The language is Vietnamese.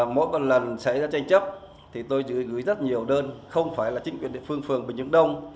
mỗi lần xảy ra tranh chấp tôi gửi rất nhiều đơn không phải là chính quyền địa phương phường bình trưng đông